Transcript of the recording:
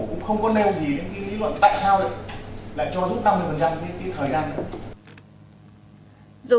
cũng không có nêu gì đến cái lý luận tại sao lại cho giúp năm mươi đến cái thời gian